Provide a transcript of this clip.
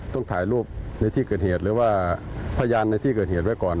ต้องถ่ายรูปในที่เกิดเหตุหรือว่าพยานในที่เกิดเหตุไว้ก่อน